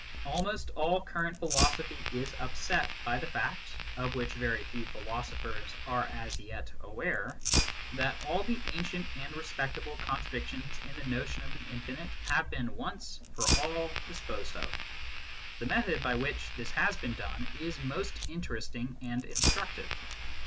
Almost all current philosophy is upset by the fact (of which very few philo sophers are as yet aware) that all the ancient and respect able contradictions in the notion of the infinite have been once for all disposed of. The method by which this has been done is most interesting and instructive.